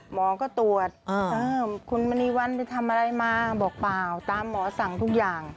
หมอก็ตรวจคุณมณีวันไปทำอะไรมาบอกเปล่าตามหมอสั่งทุกอย่าง